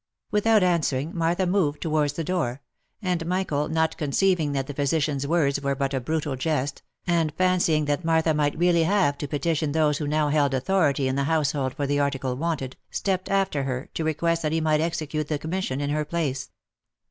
Without answering, Martha moved towards the door ; and Michael, not conceiving that the physician's words were but a brutal jest, and fancying that Martha might really have to petition those who now held authority in the household for the article wanted, stepped after her, to request that he might execute the commission in her place.